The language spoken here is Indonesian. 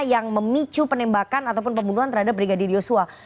yang memicu penembakan ataupun pembunuhan terhadap brigadir yosua